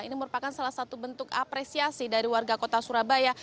ini merupakan salah satu bentuk apresiasi dari warga kota surabaya